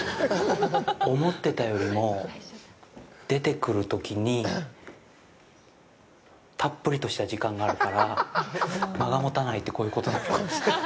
思ってたよりも出てくるときにたっぷりとした時間があるから、間がもたないってこういうことなのかもしれない。